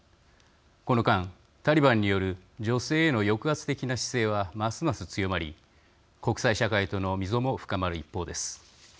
この間、タリバンによる女性への抑圧的な姿勢はますます強まり国際社会との溝も深まる一方です。